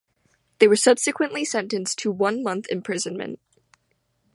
They were subsequently sentenced to one month imprisonment.